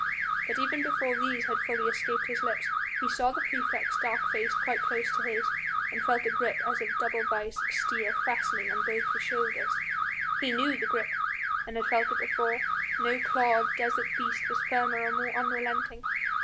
But even before these had fully escaped his lips he saw the praefect's dark face quite close to his own, and felt a grip as of a double vice of steel fastening on both his shoulders. He knew the grip and had felt it before; no claw of desert beast was firmer or more unrelenting.